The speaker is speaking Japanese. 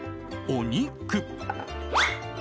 お肉。